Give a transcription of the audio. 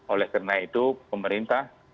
oleh karena itu pemerintah